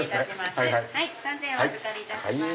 ３０００円お預かりいたします。